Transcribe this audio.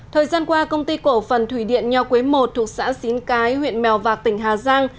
thời gian qua công ty cổ phần thủy điện nho quế i thuộc xã xín cái huyện mèo vạc tỉnh hà giang